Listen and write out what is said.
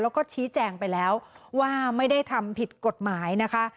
แล้วก็ชี้แจงไปแล้วว่าไม่ได้ทำผิดกฎหมายนะคะ